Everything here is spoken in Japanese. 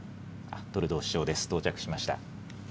トルドー首相です、到着しました。